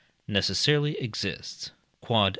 necessarily exists. Q.E.